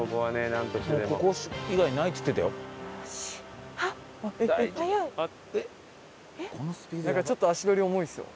なんかちょっと足取り重いですよ。